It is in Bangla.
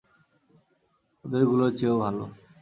ওদের গুলোর চেয়েও ভালো।